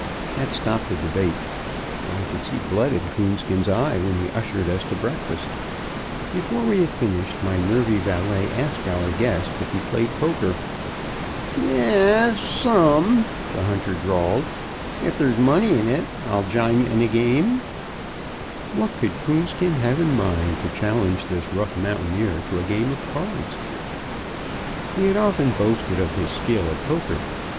That stopped the debate, but I could see blood in Coonskin's eye when he ushered us to breakfast. Before we had finished, my nervy valet asked our guest if he played poker. "Ya a as, some," the hunter drawled. "If there's money in it, I'll jine ye in a game." [Illustration: "Through thickets, tangled roots and fallen trees."] What could Coonskin have in mind, to challenge this rough mountaineer to a game of cards? He had often boasted of his skill at poker.